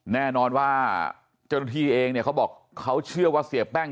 แน่นอนว่าเจ้าหน้าที่เองเนี่ยเขาบอกเขาเชื่อว่าเสียแป้ง